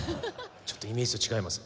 ちょっとイメージと違います